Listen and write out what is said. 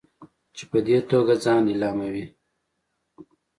چې په دې توګه ځان لیلاموي.